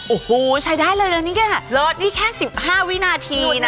โอ้โหใช้ได้เลยแล้วนี่แค่๑๕วินาทีนะ